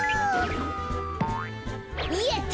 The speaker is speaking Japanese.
やった！